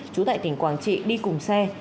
chủ đại tỉnh quảng trị đi cùng xe